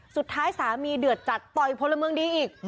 สุดท้ายสามีเดือดจัดต่อยพลเมืองดีอีก